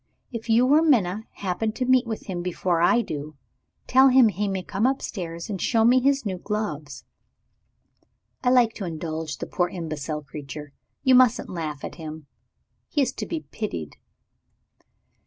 If you or Minna happen to meet with him before I do, tell him he may come upstairs and show me his new gloves. I like to indulge the poor imbecile creature. You mustn't laugh at him he is to be pitied."